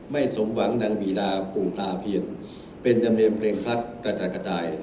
สมหวังนางบีดาปู่ตาเพียนเป็นจำเนียนเพลงซัดกระจัดกระจาย